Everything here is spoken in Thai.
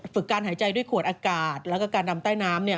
การหายใจด้วยขวดอากาศแล้วก็การดำใต้น้ำเนี่ย